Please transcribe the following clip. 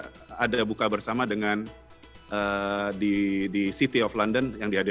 kita rame rame buka bersama di trafalgar square itu salah satu yang iconic di london dan yaitu ada di